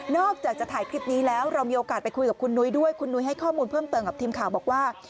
อกจากจะถ่ายคลิปนี้แล้วเรามีโอกาสไปคุยกับคุณนุ้ยด้วยคุณนุ้ยให้ข้อมูลเพิ่มเติมกับทีมข่าวบอกว่า